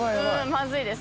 まずいです